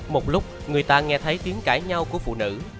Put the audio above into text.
một lúc người ta nghe thấy tiếng cãi nhau của phụ nữ